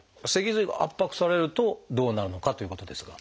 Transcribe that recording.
脊髄が圧迫されるとどうなるのかということですが。